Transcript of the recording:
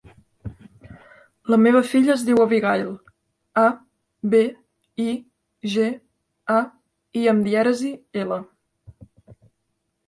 La meva filla es diu Abigaïl: a, be, i, ge, a, i amb dièresi, ela.